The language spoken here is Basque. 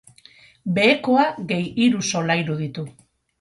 Behekoa gehi hiru solairu ditu.